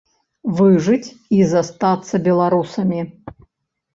Выжыць і застацца беларусамі.